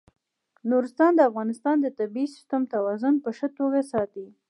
نورستان د افغانستان د طبعي سیسټم توازن په ښه توګه ساتي.